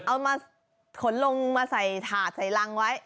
เอามาขนลงมาใส่ถาดใส่รังไว้